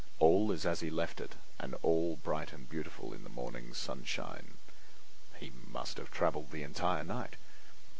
All is as he left it, and all bright and beautiful in the morning sunshine. He must have traveled the entire night.